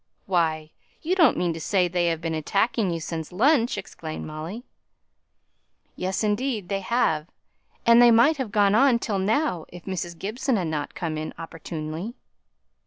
"Why, you don't mean to say they have been attacking you since lunch!" exclaimed Molly. "Yes; indeed, they have; and they might have gone on till now if Mrs. Gibson had not come in opportunely."